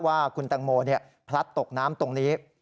ว่าคุณแตงโมพลัดตกน้ำตรงนี้